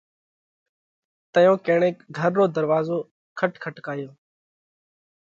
تئيون ڪڻئيڪ گھر رو ڌروازو کٽکٽايو۔